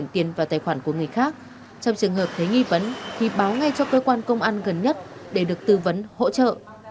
trong trường hợp thấy nghi vấn thì báo ngay cho cơ quan công an gần nhất để được tư vấn hỗ trợ